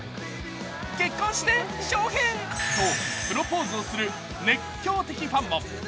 「結婚して、翔平」とプロポーズする熱狂的ファンも。